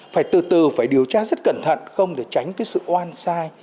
phải từ từ phải điều tra rất cẩn thận không để tránh cái sự oan sai